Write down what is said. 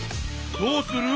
どうする！